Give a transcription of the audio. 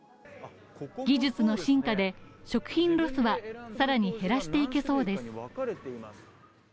技術の進化で食品ロスは更に減らしていけそうです。